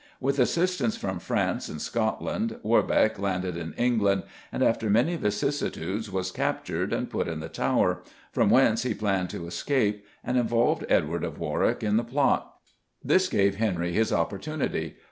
With assistance from France and Scotland, Warbeck landed in England, and after many vicissitudes was captured, and put in the Tower, from whence he planned to escape and involved Edward of Warwick in the plot. This gave Henry his opportunity.